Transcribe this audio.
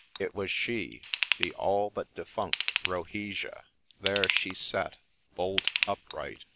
— It was She !— the all but defunct Rohesia — there she sat, bolt upright